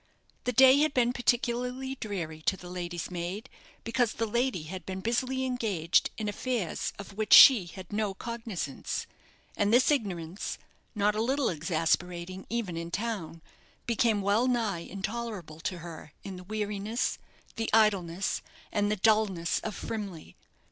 The day had been particularly dreary to the lady's maid, because the lady had been busily engaged in affairs of which she had no cognizance, and this ignorance, not a little exasperating even in town, became well nigh intolerable to her in the weariness, the idleness, and the dullness of Frimley.